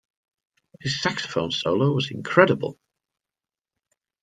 His saxophone solo was incredible.